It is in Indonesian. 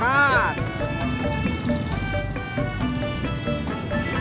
lo kagak kasih duit